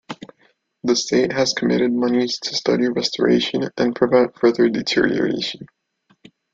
The state has committed monies to study restoration and prevent further deterioration.